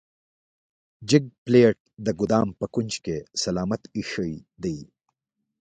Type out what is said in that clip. جک پلیټ د ګدام په کونج کې سلامت ایښی دی.